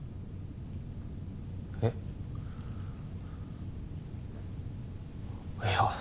えっ？いや。